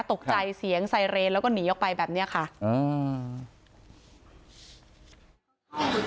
ตกใจเสียงไซเรนแล้วก็หนีออกไปแบบเนี้ยค่ะอืม